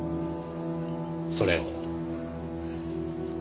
それを。